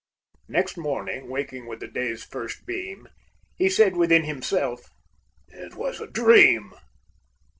Next morning, waking with the day's first beam, He said within himself, "It was a dream!"